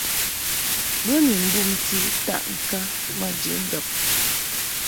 Bo ni mbumti taʼŋka maji ŋgab.